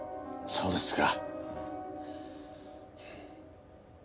そうですか。